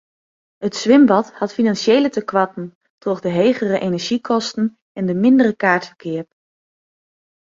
It swimbad hat finansjele tekoarten troch de hegere enerzjykosten en mindere kaartferkeap.